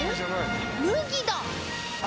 麦だ！